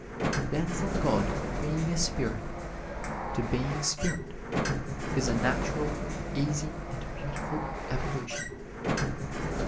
Then from God being a Spirit, to being Spirit, is a natural, easy and beautiful evolution.